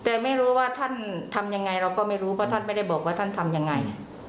แต่ไม่รู้ว่าท่านทำยังไงเราก็ไม่รู้เพราะท่านไม่ได้บอกว่าท่านทำยังไง